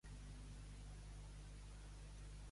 Amb quina peça ha obtingut Convent Jerusalem el tercer premi?